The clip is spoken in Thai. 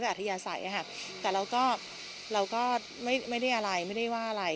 อัธยาศัยค่ะแต่เราก็เราก็ไม่ได้อะไรไม่ได้ว่าอะไร